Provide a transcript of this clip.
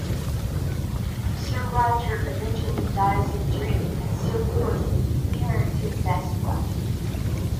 Sir Roger eventually dies of drink and Sir Louis inherits his vast wealth.